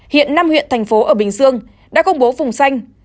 hiện năm huyện thành phố ở bình dương đã công bố vùng xanh